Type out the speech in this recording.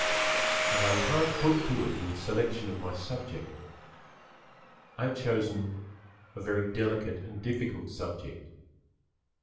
And I was hard put to it in the selection of my subject. I have chosen a very delicate and difficult subject.